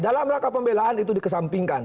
dalam rangka pembelaan itu dikesampingkan